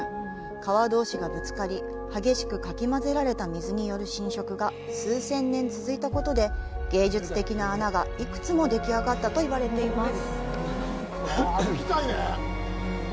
川どうしがぶつかり激しくかき混ぜられた水による侵食が数千年続いたことで芸術的な穴が幾つもでき上がったといわれています。